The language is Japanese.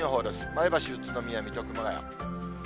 前橋、宇都宮、水戸、熊谷。